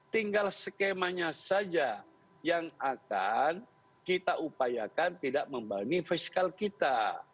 tinggal skemanya saja yang akan kita upayakan tidak membebani fiskal kita